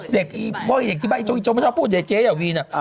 เพราะเด็กที่บ้านจบมันชอบพูดเจ๋ยาวีน